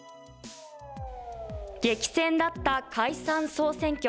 激戦だった海産総選挙。